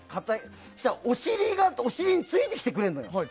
そうするとお尻についてきてくれるのよ。